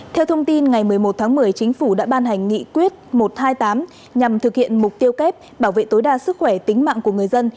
theo thông tin ngày một mươi một tháng một mươi chính phủ đã ban hành nghị quyết một trăm hai mươi tám nhằm thực hiện mục tiêu kép bảo vệ tối đa sức khỏe tính mạng của người dân